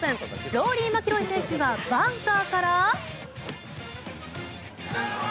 ローリー・マキロイ選手がバンカーから。